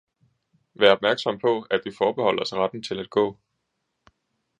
Vær opmærksom på at vi forbeholder os retten til at gå.